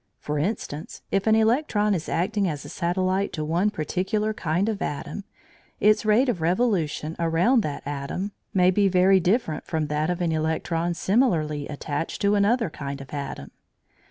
For instance, if an electron is acting as a satellite to one particular kind of atom, its rate of revolution around that atom may be very different from that of an electron similarly attached to another kind of atom.